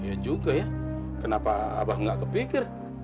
ya juga ya kenapa abah nggak kepikir